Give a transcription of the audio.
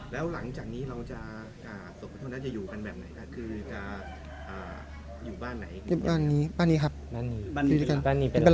แล้วหลังจากนี้เราจะอยู่กันแบบไหนครับคือจะอยู่บ้านไหน